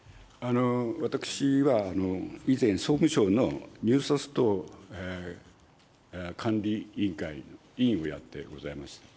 私は、以前、総務省の入札等監理委員会の委員をやってございます。